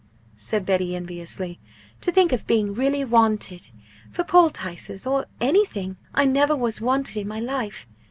said Betty, enviously, "to think of being really wanted for poultices or, anything! I never was wanted in my life!